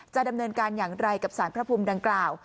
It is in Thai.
ดำเนินการอย่างไรกับสารพระภูมิดังกล่าว